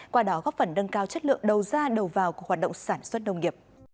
qua đó góp phần nâng cao chất lượng đầu ra đầu vào của hoạt động sản xuất nông nghiệp